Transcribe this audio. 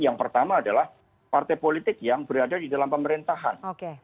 yang pertama adalah partai politik yang berada di dalam pemerintahan